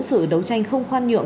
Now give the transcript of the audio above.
sự đấu tranh không khoan nhượng